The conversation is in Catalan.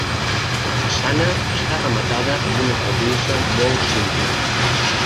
La façana està rematada amb una cornisa molt simple.